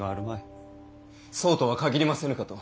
そうとは限りませぬかと。